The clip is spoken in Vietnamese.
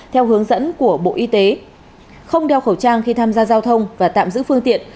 theo hướng dẫn của bộ y tế không đeo khẩu trang khi tham gia giao thông và tạm giữ phương tiện